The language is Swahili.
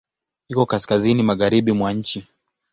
Iko kaskazini magharibi mwa nchi.